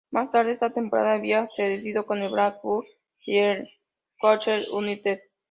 Más tarde esa temporada había cedido con el Blackburn Rovers y el Colchester United.